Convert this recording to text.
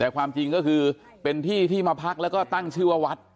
แต่ความจริงก็คือเป็นที่ที่มาพักแล้วก็ตั้งชื่อว่าวัด